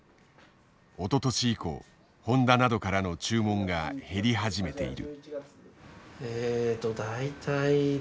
おととし以降ホンダなどからの注文が減り始めている。